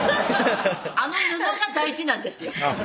あの布が大事なんですよ